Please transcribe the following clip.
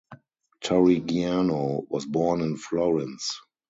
Torrigiano was born in Florence.